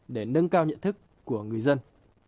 để nâng cao nhận thức của người dân